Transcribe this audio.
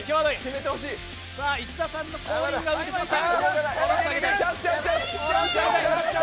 石田さんの後輪が浮いてしまった。